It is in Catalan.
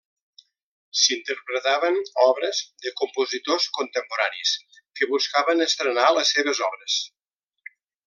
S'interpretaven obres de compositors contemporanis que buscaven estrenar les seves obres.